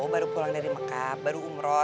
oh baru pulang dari mekah baru umroh